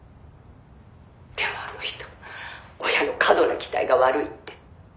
でもあの人親の過度な期待が悪いって」